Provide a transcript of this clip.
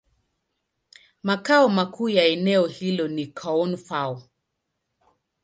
Makao makuu ya eneo hilo ni Koun-Fao.